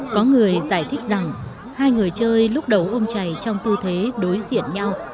có người giải thích rằng hai người chơi lúc đầu ôm chày trong tư thế đối diện nhau